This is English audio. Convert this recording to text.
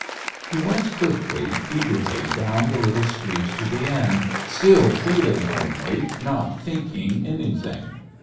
He went quickly, eagerly down the little street to the inn, still feeling only, not thinking anything.